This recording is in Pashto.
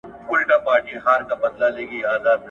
زه بايد ښوونځی ته ولاړ سم؟